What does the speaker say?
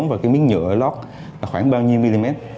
và cái miếng nhựa lót là khoảng bao nhiêu mm